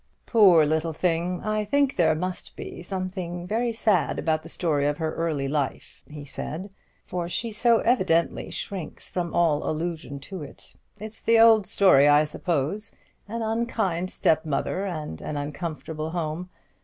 "Poor little thing! I think there must be something sad about the story of her early life," he said; "for she so evidently shrinks from all allusion to it. It's the old story, I suppose, an unkind step mother and an uncomfortable home.